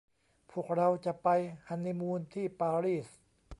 พวกเราจะไปฮันนีมูนที่ปารีส